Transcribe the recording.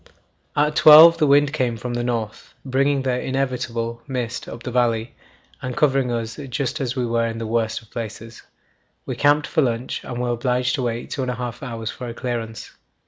At 12 the wind came from the north, bringing the inevitable [mist] up the valley and covering us just as we were in the worst of places. We camped for lunch, and were obliged to wait two and a half hours for a clearance.